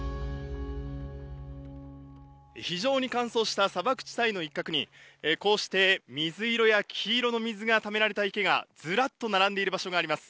非常に乾燥した砂漠地帯の一角に、こうして水色や黄色の水がためられた池がずらっと並んでいる場所があります。